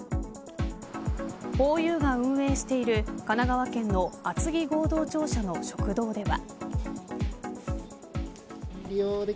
ＨＯＹＵが運営している神奈川県の厚木合同庁舎の食堂では。